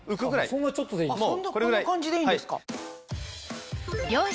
そんなちょっとでいいんだ。